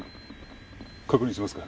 確認しますか？